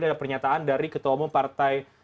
ada pernyataan dari ketua umum partai